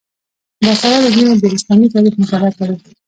باسواده نجونې د اسلامي تاریخ مطالعه کوي.